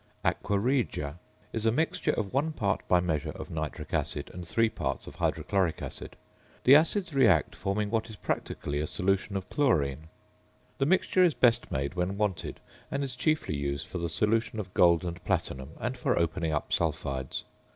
~"Aqua Regia"~ is a mixture of 1 part by measure of nitric acid and 3 parts of hydrochloric acid. The acids react forming what is practically a solution of chlorine. The mixture is best made when wanted, and is chiefly used for the solution of gold and platinum and for "opening up" sulphides.